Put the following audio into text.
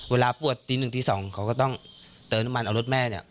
เวลาปวดตีหนึ่งตี๒เขาก็ต้องเติมน้ำมันเอารถแม่เนี่ย